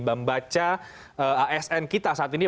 membaca asn kita saat ini